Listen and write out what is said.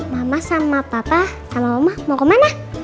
mama sama papa sama oma mau kemana